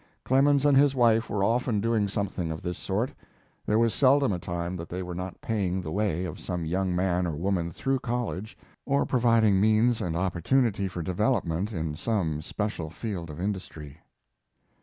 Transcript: Clemens and his wife were often doing something of this sort. There was seldom a time that they were not paying the way of some young man or woman through college, or providing means and opportunity for development in some special field of industry.